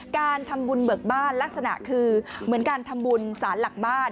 การทำบุญเบิกบ้านลักษณะคือเหมือนการทำบุญสารหลักบ้าน